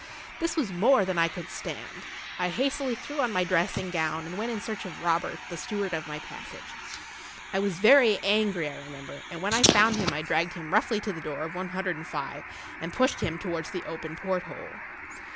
This was more than I could stand. I hastily threw on my dressing gown and went in search of Robert, the steward of my passage. I was very angry, I remember, and when I found him I dragged him roughly to the door of one hundred and five, and pushed him towards the open porthole.